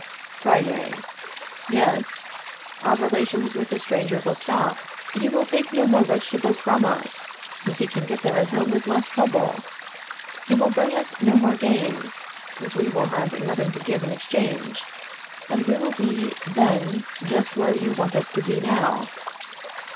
Friday. Yes. Our relations with the stranger will stop. He will take no more vegetables from us, since he can get them at home with less trouble. He will bring us no more game, since we will have nothing to give in exchange, and we will be then just where you want us to be now.